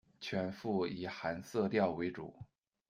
全幅以寒色调为主